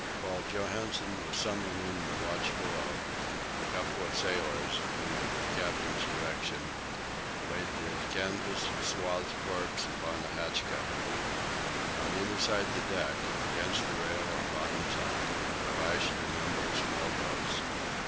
While Johansen was summoning the watch below, a couple of sailors, under the captain's direction, laid the canvas swathed corpse upon a hatch cover. On either side the deck, against the rail and bottoms up, were lashed a number of small boats.